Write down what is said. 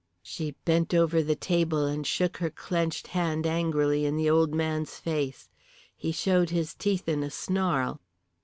She bent over the table and shook her clenched hand angrily in the old man's face. He showed his teeth in a snarl.